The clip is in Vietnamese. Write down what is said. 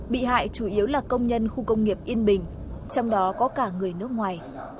bị hại chủ yếu là công nhân khu công nghiệp yên bình trong đó có cả người nước ngoài